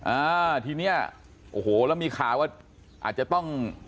อ่าทีเนี้ยโอ้โหแล้วมีข่าวว่าอาจจะต้อง